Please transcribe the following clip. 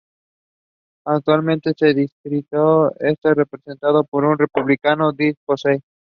Actualmente el distrito está representado por el Republicano Bill Posey.